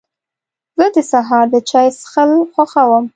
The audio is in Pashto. زه د سهار د چای څښل خوښوم.